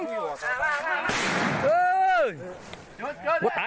โดยไข้ไฟ